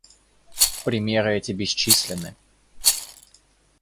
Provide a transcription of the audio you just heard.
Примеры эти бесчисленны.